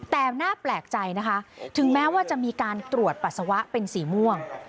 แต่น่าแปลกใจนะคะถึงแม้ว่าจะมีการตรวจปัสสาวะเป็นสีม่วง